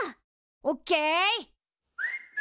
オッケイ。